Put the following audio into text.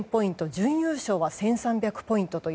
準優勝は１３００ポイント。